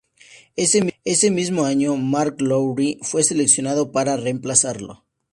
Ese mismo año Mark Lowry fue seleccionado para reemplazarlo.